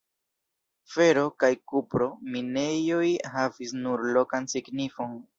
Fero- kaj kupro-minejoj havis nur lokan signifon.